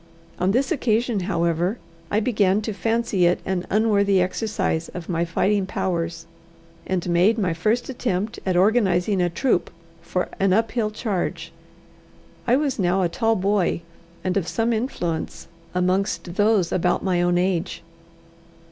On this occasion, however, I began to fancy it an unworthy exercise of my fighting powers, and made my first attempt at organizing a troop for an up hill charge. I was now a tall boy, and of some influence amongst those about my own age.